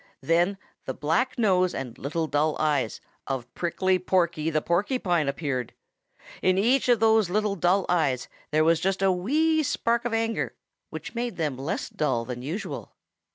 Then the black nose and little dull eyes of Prickly Porky the Porcupine appeared. In each of those little dull eyes there was just a wee spark of anger which made them less dull than usual.